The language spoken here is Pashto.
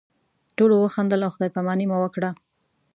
ټولو وخندل او خدای پاماني مو وکړه.